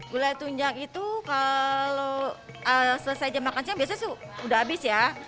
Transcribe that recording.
gulai tunjang itu kalau selesai jam makan siang biasanya sudah habis ya